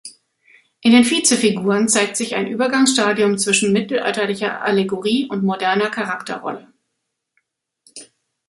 In den Vice-Figuren zeigt sich ein Übergangsstadium zwischen mittelalterlicher Allegorie und moderner Charakterrolle.